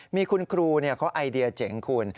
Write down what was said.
มีคุณครูเขาไอเดียเจ๋งคุณ